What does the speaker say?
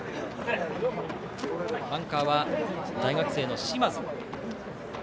アンカーは大学生の嶋津。